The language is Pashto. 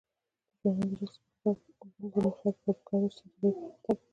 د ځوانانو د شخصي پرمختګ لپاره پکار ده چې سوداګري پرمختګ ورکړي.